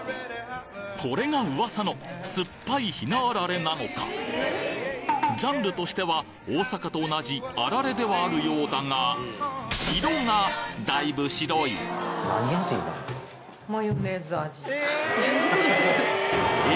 これが噂の酸っぱいひなあられなのかジャンルとしては大阪と同じあられではあるようだが色がだいぶ白いえ？